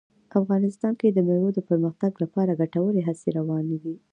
افغانستان کې د مېوو د پرمختګ لپاره ګټورې هڅې روانې دي.